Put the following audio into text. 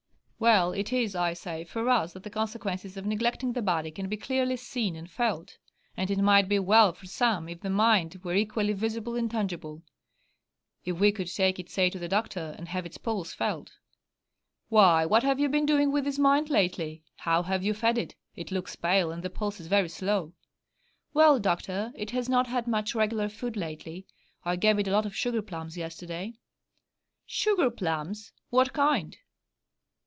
Well, it is, I say, for us that the consequences of neglecting the body can be clearly seen and felt; and it might be well for some if the mind were equally visible and tangible if we could take it, say, to the doctor, and have its pulse felt. 'Why, what have you been doing with this mind lately? How have you fed it? It looks pale, and the pulse is very slow.' 'Well, doctor, it has not had much regular food lately. I gave it a lot of sugar plums yesterday.' 'Sugar plums! What kind?'